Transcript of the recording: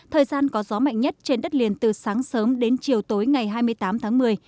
thời gian có gió mạnh nhất trên đất liền từ sáng sớm đến chiều tối ngày hai mươi tám tháng một mươi